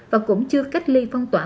và cũng chưa cách ly phong tỏa